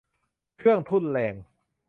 เครื่องทุ่นแรง